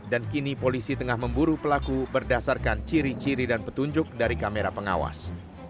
dan kini polisi tengah memburu pelaku berdasarkan ciri ciri dan petunjuk dari kamera pengawas